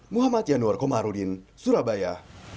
muhammad yanur komarudin surabaya